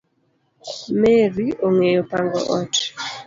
Mary ongeyo pango ot